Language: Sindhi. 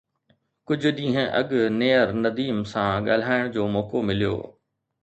ڪجهه ڏينهن اڳ نيئر نديم سان ڳالهائڻ جو موقعو مليو